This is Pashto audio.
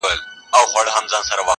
• ته په خپل سیوري کي ورک یې -